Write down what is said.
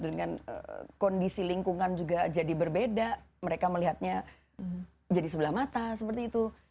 dengan kondisi lingkungan juga jadi berbeda mereka melihatnya jadi sebelah mata seperti itu